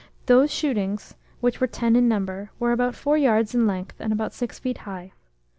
These shootings, which were ten in number, were about four yards in length and about six feet high.